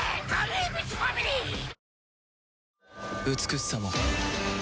美しさも